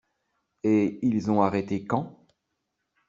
Et ils ont arrêté quand?